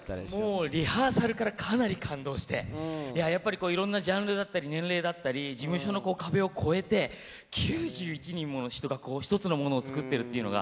もうリハーサルからかなり感動してやっぱりいろんなジャンルだったり年齢だったり事務所の壁を越えて９１人の人が一つのものを作っているというのが。